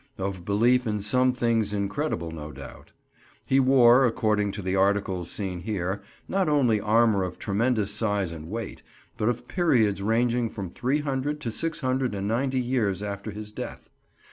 Of belief in some things incredible, no doubt. He wore, according to the articles seen here, not only armour of tremendous size and weight, but of periods ranging from three hundred, to six hundred and ninety years after his death.